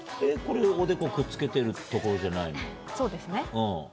おでこをくっつけてるところじゃないの？